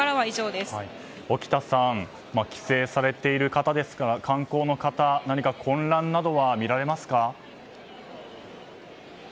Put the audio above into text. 沖田さん、帰省されている方や観光の方何か混乱などは見られますか。